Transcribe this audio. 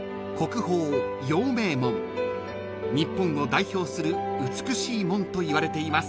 ［日本を代表する美しい門といわれています］